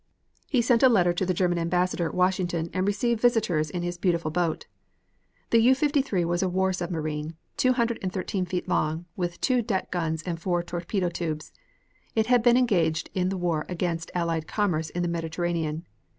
He sent a letter to the German Ambassador at Washington and received visitors in his beautiful boat. The U 53 was a war submarine, two hundred and thirteen feet long, with two deck guns and four torpedo tubes. It had been engaged in the war against Allied commerce in the Mediterranean.